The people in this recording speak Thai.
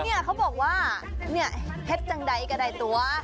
เนี่ยเขาบอกว่าเห็นจังใดก็ได้ตัว